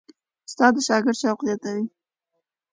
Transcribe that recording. استاد د شاګرد شوق زیاتوي.